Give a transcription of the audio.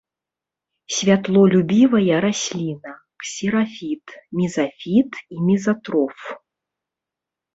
Святлолюбівая расліна, ксерафіт, мезафіт і мезатроф.